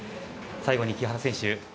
最後に木原選手